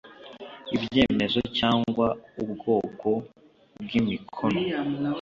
ibyemezo cyangwa ubwoko bw imikono